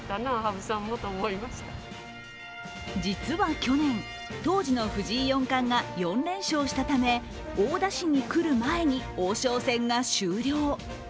実は去年、当時の藤井四冠が４連勝したため大田市に来る前に王将戦が終了。